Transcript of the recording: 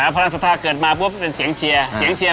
จึงเป็นเสียงเชียร์